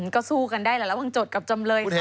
ก็สู้กันได้หลายวังจดกับจำเลยเท่านี้